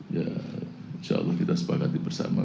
ya insyaallah kita sepakat bersama